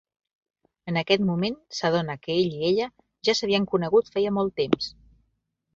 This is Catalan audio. En aquest moment, s'adona que ell i ella ja s'havien conegut feia molt temps.